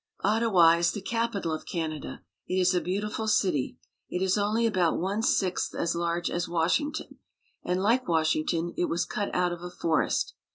Ottawa rs the capital of Canada. It is a beautiful city. It is only about one sixth as large as Washing ton, and, like Washington, it was cut out of a forest.